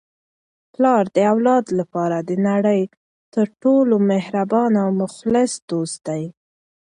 پلار د اولاد لپاره د نړۍ تر ټولو مهربانه او مخلص دوست دی.